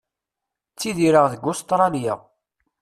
Ttidireɣ deg Ustralia.